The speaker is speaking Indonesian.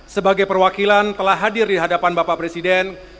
sebagai perwakilan telah hadir di hadapan bapak presiden